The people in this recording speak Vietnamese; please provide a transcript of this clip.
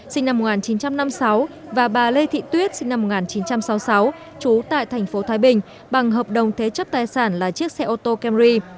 sinh năm một nghìn chín trăm năm mươi sáu và bà lê thị tuyết sinh năm một nghìn chín trăm sáu mươi sáu trú tại thành phố thái bình bằng hợp đồng thế chấp tài sản là chiếc xe ô tô camry